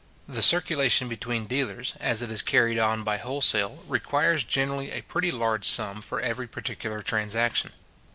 The circulation between the dealers, as it is carried on by wholesale, requires generally a pretty large sum for every particular transaction.